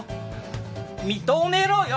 認めろよ！